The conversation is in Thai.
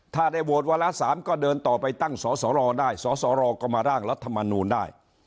ถ้าได้โหวตวาระ๓ก็เดินต่อไปตั้งสสรได้สสรก็มาร่างรัฐมนูลได้